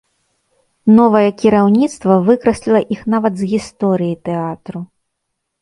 Новае кіраўніцтва выкрасліла іх нават з гісторыі тэатру.